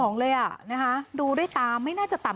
กลับด้านหลักหลักหลัก